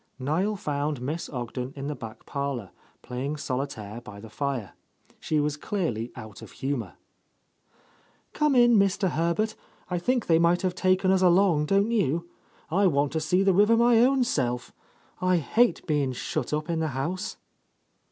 Niel found Miss Ogden in the back parlour, — 6t — A Lost Lady playing solitaire by the fire. She was clearly out of humour. "Come in, Mr. Herbert. I think they might have taken us along, don't you? I want to see the river my own self. I hate bein' shut up in the house